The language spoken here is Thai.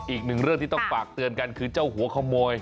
อีกหนึ่งเรื่องที่ต้องฝากเตือนกันคือเจ้าหัวขโมย